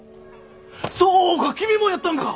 そうか君もやったんか！